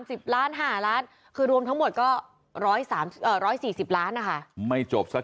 หกสิบล้านหกสิบล้านหกสิบล้านหกสิบล้านหกสิบล้านหกสิบล้าน